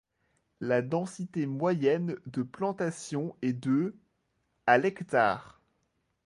La densité moyenne de plantation est de à l’hectare.